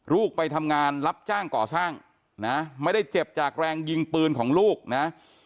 ไปทำงานรับจ้างก่อสร้างนะไม่ได้เจ็บจากแรงยิงปืนของลูกนะ